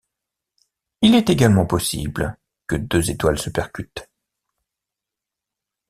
Il est également possible que deux étoiles se percutent.